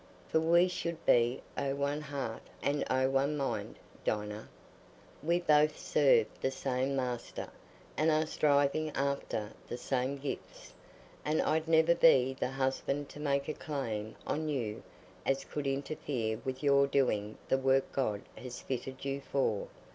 For we should be o' one heart and o' one mind, Dinah. We both serve the same Master, and are striving after the same gifts; and I'd never be the husband to make a claim on you as could interfere with your doing the work God has fitted you for.